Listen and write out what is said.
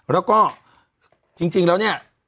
แล้วก็จริงแล้วเนี่ย